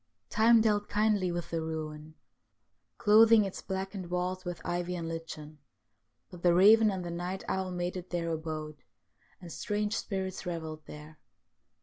Time dealt kindly with the ruin, clothing its blackened walls with ivy and lichen ; but the raven and the night owl made it their abode, and strange spirits revelled there.